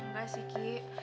gak sih ki